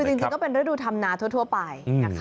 คือจริงเป็นวัตดุทำนาทั่วไป